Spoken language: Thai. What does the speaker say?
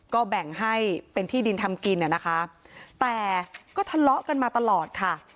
ก็แบ่งให้เป็นที่ดินทำกินน่ะนะคะแต่ก็ทะเลาะกันมาตลอดค่ะ